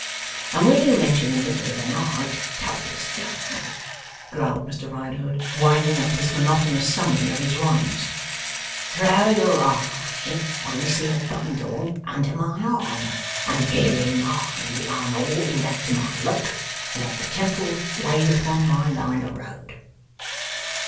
And when you mention the middle of the night, T'otherest Governor,' growled Mr Riderhood, winding up his monotonous summary of his wrongs, 'throw your eye on this here bundle under my arm, and bear in mind that I'm a walking back to my Lock, and that the Temple laid upon my line of road.